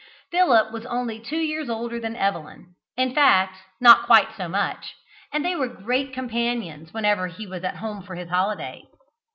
Philip was only two years older than Evelyn in fact, not quite so much, and they were great companions whenever he was at home for his holidays.